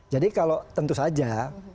jadi kalau tentu saja